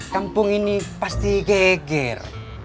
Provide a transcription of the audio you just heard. kampung ini pasti geger